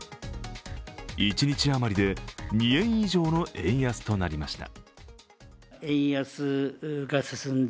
一日あまりで、２円以上の円安となりました。